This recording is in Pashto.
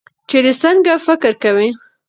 چې د څنګه فکر کوي